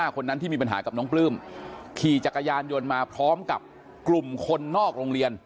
คนนั้นที่มีปัญหากับน้องปลื้มขี่จักรยานยนต์มาพร้อมกับกลุ่มคนนอกโรงเรียน